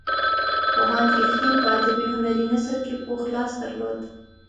پوهاند رښتین په ادبي هنري نثر کې پوخ لاس درلود.